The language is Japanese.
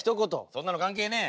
そんなの関係ねえ！